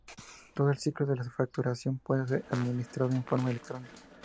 Todo el ciclo de la facturación puede ser administrado en forma electrónica.